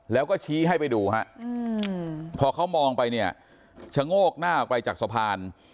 แล้วก็ชี้ให้ไปดูฮะพอเขามองไปเนี่ยชะโงกหน้าออกไปจากสะพาน